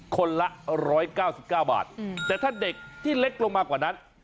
คนละ๑๙๙บาทแต่ถ้าเด็กที่เล็กลงมากกว่านั้น